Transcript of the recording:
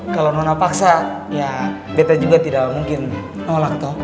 kalau nona paksa ya betta juga tidak mungkin nolak toh